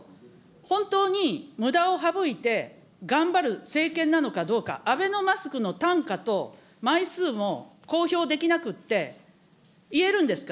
本当に無駄を省いて頑張る政権なのかどうか、アベノマスクの単価と枚数も公表できなくって、言えるんですか。